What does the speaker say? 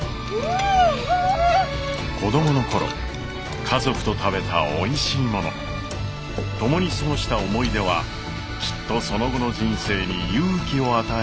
子供の頃家族と食べたおいしいもの共に過ごした思い出はきっとその後の人生に勇気を与えてくれるはずです。